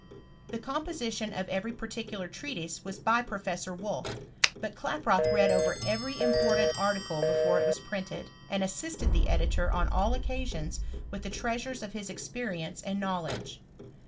The compo sition of every particular treatise was by Professor Wolff; but Klaproth read over every important ar ticle before it was printed, and assisted the editor on all occasions with the treasures of his experience and knowledge.